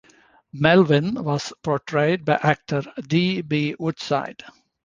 Melvin was portrayed by actor D. B. Woodside.